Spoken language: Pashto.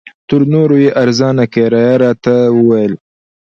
تر نورو یې ارزانه کرایه راته وویل.